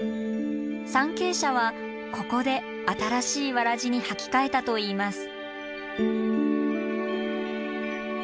参詣者はここで新しいわらじに履き替えたといいます。